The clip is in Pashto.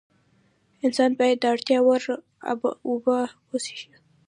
انسان باید د اړتیا وړ اوبه وڅښي